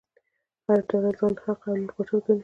هره ډله ځان حق او نور باطل ګڼي.